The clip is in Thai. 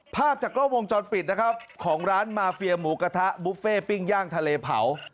ภาพจากกล้องวงจรปิดนะครับของร้านมาเฟียหมูกระทะบุฟเฟ่ปิ้งย่างทะเลเผา